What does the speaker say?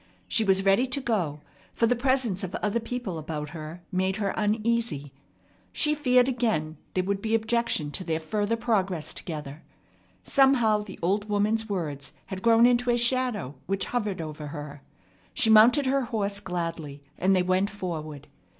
She was ready to go, for the presence of other people about her made her uneasy. She feared again there would be objection to their further progress together. Somehow the old woman's words had grown into a shadow which hovered over her. She mounted her horse gladly, and they went forward.